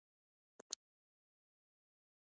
زه بو کور ته لوړ شم.